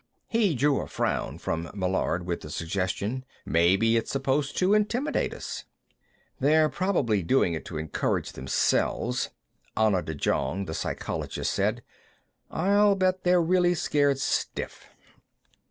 He drew a frown from Meillard with the suggestion. "Maybe it's supposed to intimidate us." "They're probably doing it to encourage themselves," Anna de Jong, the psychologist, said. "I'll bet they're really scared stiff."